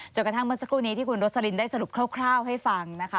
กระทั่งเมื่อสักครู่นี้ที่คุณโรสลินได้สรุปคร่าวให้ฟังนะคะ